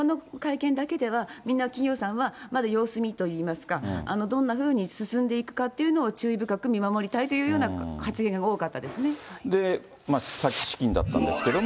ですからきのうの会見だけではみんな企業さんは、まだ様子見といいますか、どんなふうに進んでいくかっていうのを注意深く見守りたいというようなさっきだったんですけども。